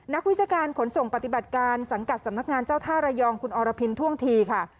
วิชาการขนส่งปฏิบัติการสังกัดสำนักงานเจ้าท่าระยองคุณอรพินท่วงทีค่ะ